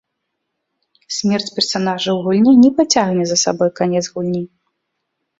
Смерць персанажа ў гульне не пацягне за сабой канец гульні.